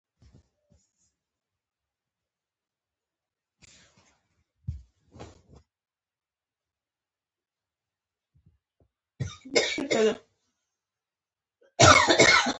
سکاره په ژمي کې د کوټې تودولو لپاره کاریږي.